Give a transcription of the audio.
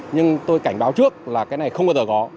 nhưng tôi cảnh báo trước là cái này không bao giờ có